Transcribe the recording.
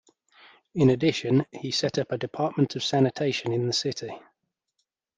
In addition, he set up a department of sanitation in the city.